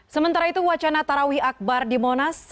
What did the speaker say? sementara itu wacana tarawih akbar di monas